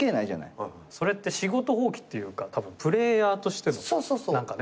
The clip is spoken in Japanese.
それって仕事放棄っていうかたぶんプレーヤーとしての何かね